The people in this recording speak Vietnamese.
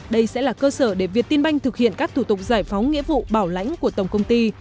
đây sẽ là cơ sở để việt tiên banh thực hiện các thủ tục giải phóng nghĩa vụ bảo lãnh của tổng công ty